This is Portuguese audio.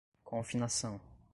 confinação